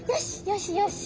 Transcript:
よしよし。